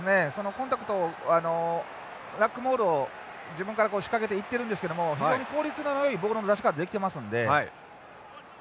コンタクトラックモールを自分から仕掛けていってるんですけども非常に効率のよいボールの出し方できてますので。